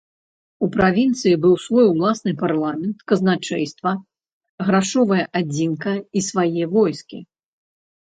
У правінцыі быў свой уласны парламент, казначэйства, грашовая адзінка і свае войскі.